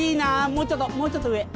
もうちょっともうちょっと上。